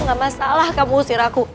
aku gak masalah kamu ngusir aku